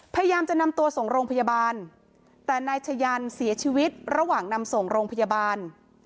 พยายามจะนำตัวส่งโรงพยาบาลแต่นายชะยันเสียชีวิตระหว่างนำส่งโรงพยาบาล